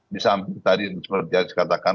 disamping tadi seperti yang dikatakan